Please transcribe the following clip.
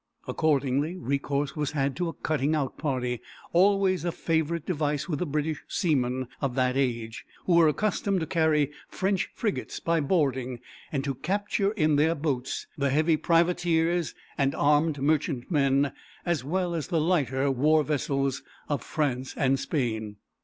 Accordingly recourse was had to a cutting out party, always a favorite device with the British seamen of that age, who were accustomed to carry French frigates by boarding, and to capture in their boats the heavy privateers and armed merchantmen, as well as the lighter war vessels of France and Spain.